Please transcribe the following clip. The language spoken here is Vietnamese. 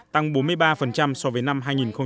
tăng bốn mươi ba so với năm hai nghìn một mươi bảy